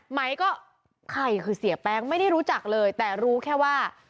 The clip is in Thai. ไหมก็ใครคือเสียแป้งไม่ได้รู้จักเลยแต่รู้แค่ว่า